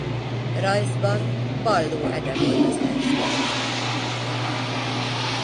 Rajzban Balló Ede volt az első mestere.